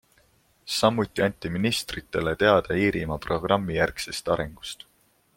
Samuti anti ministritele teada Iirimaa programmijärgsest arengust.